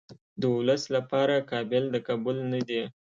د ولس لپاره قابل د قبول نه دي.